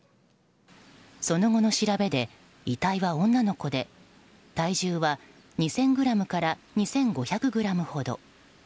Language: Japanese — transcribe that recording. その後の調べで、遺体は女の子で体重は２０００ｇから２５００ｇほど。